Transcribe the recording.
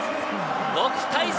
６対３。